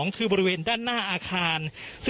คือบริเวณด้านหน้าอาคาร